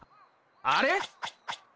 あれ？